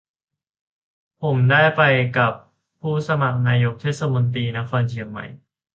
ผมได้ไปกับผู้สมัครนายกเทศมนตรีนครเชียงใหม่